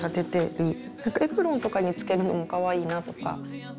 エプロンとかにつけるのもかわいいなとか。